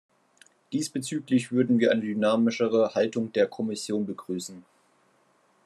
Diesbezüglich würden wir eine dynamischere Haltung der Kommission begrüßen.